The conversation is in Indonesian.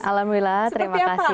alhamdulillah terima kasih